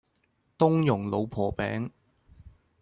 冬蓉老婆餅